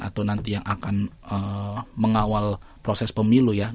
atau nanti yang akan mengawal proses pemilu ya